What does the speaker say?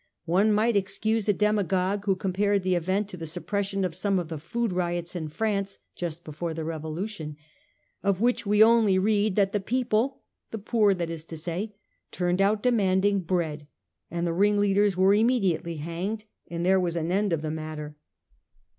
One might excuse a demagogue who compared the event to the suppression of some of the food riots in France just before the Revolution, of which we only read that the people — the poor, that is to say — turned out demanding bread, and the ringleaders were immediately hanged, and there was an end of the matter.